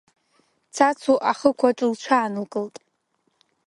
Цацу ахықәаҿ лҽаанылкылт.